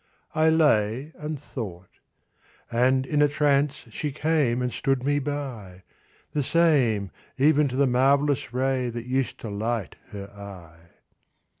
I lay, and thought; and in a trance She came and stood me by— The same, even to the marvellous ray That used to light her eye.